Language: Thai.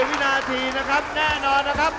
วินาทีนะครับแน่นอนนะครับ